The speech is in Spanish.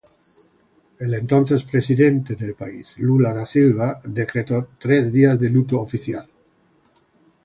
El entonces presidente del país Lula da Silva decretó tres días de luto oficial.